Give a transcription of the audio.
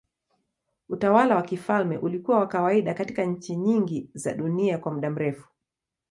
Utawala wa kifalme ulikuwa wa kawaida katika nchi nyingi za dunia kwa muda mrefu.